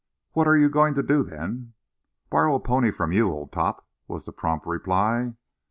"What are you going to do, then?" "Borrow a pony from you, old top," was the prompt reply.